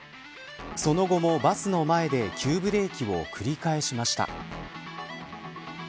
その後もバスの前で急ブレーキを繰り返しました。